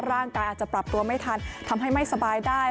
ร่างกายอาจจะปรับตัวไม่ทันทำให้ไม่สบายได้